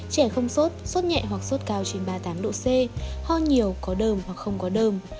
trẻ không sốt sốt nhẹ hoặc sốt cao trên ba mươi tám độ c ho nhiều có đơm hoặc không có đơm